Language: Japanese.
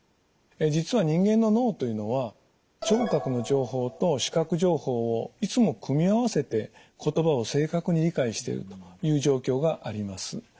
実は人間の脳というのは聴覚の情報と視覚情報をいつも組み合わせて言葉を正確に理解しているという状況があります。